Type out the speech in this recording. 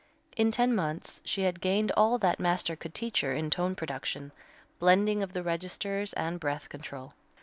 In ten months she had gained all that master could teach her in tone production, blending of the registers and breath control.